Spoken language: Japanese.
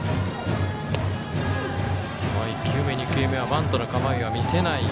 １球目、２球目はバントの構えは見せない。